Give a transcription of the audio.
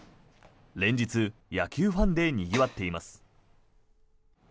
連日、野球ファンでにぎわっています。